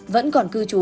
vẫn còn cư trú